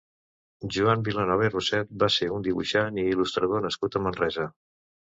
Joan Vilanova i Roset va ser un dibuixant i il·lustrador nascut a Manresa.